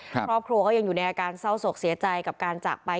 ครอบครัวก็ยังอยู่ในอาการเศร้าศกเสียใจกับการจากไป